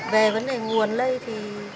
về vấn đề nguồn lây thì